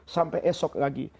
sampai esok lagi